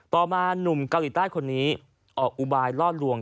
ต่อมาหลอกหลวง